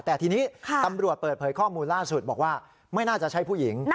แต่ทีนี้ตำรวจเปิดเผยข้อมูลล่าสุดบอกว่าไม่น่าจะใช่ผู้หญิง